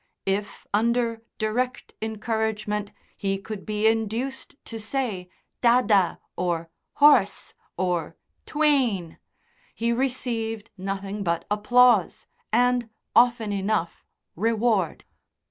If, under direct encouragement, he could be induced to say "dada," or "horse," or "twain," he received nothing but applause and, often enough, reward.